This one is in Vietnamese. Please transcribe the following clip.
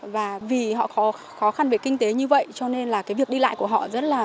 và vì họ có khó khăn về kinh tế như vậy cho nên là cái việc đi lại của họ rất là